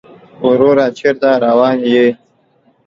وروره چېرته روان يې؟